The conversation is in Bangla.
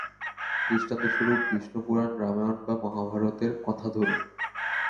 দৃষ্টান্তস্বরূপ বিষ্ণুপুরাণ, রামায়ণ বা মহাভারতের কথা ধরুন।